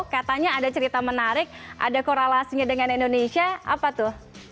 katanya ada cerita menarik ada korelasinya dengan indonesia apa tuh